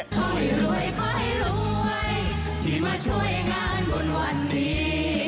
ขอให้รวยขอให้รวยที่มาช่วยงานบนวันนี้